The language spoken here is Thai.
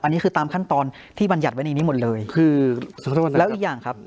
อันนี้คือตามขั้นตอนที่บรรยัติไว้ในนี้หมดเลยคือขอโทษแล้วอีกอย่างครับ